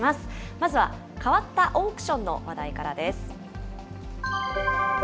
まずはかわったオークションの話題からです。